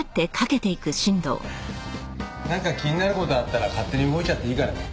なんか気になる事あったら勝手に動いちゃっていいからね。